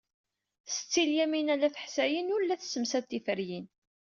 Setti Lyamina n At Ḥsayen ur la tessemsad tiferyin.